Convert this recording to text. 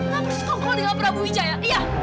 mas berskongkol dengan prabu wijaya iya